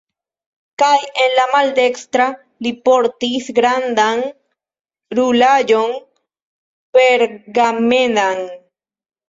Kaj en la maldekstra li portis grandan rulaĵon pergamenan.